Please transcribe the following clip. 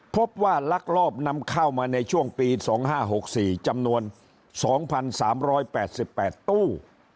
พบว่าลักลอบนำเข้ามาในช่วงปีสองห้าหกสี่จำนวนสองพันสามร้อยแปดสิบแปดตู้